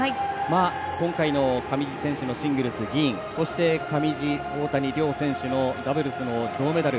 今回の上地選手のシングルス、銀そして上地、大谷両選手のダブルスの銅メダル。